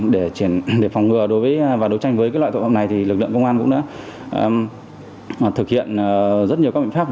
để phòng ngừa và đấu tranh với các loại tội phạm này thì lực lượng công an cũng đã thực hiện rất nhiều các biện pháp